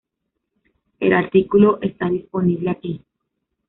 El artículo está disponible aquí.